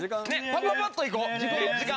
パパパっといこう・時間。